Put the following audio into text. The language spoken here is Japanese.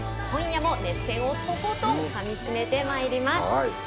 今夜も熱戦をとことんかみしめてまいります。